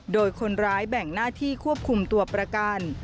โดยคนร้ายแบ่งหน้าที่ควบคุมตัวประกัน